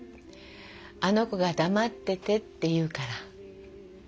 あの子が黙っててって言うから。